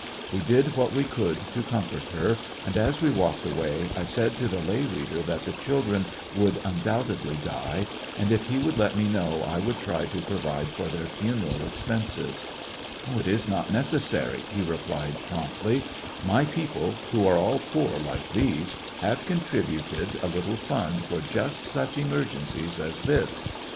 We did what we could to comfort her, and as we walked away I said to the lay reader that the children would undoubtedly die, and if he would let me know I would try to provide for their funeral expenses, It is not necessary," he replied promptly, My people, who are all poor like these, have contributed a little fund for just such emer gencies as this.